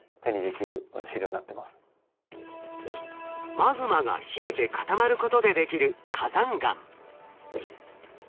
マグマが冷えて固まることでできる火山岩。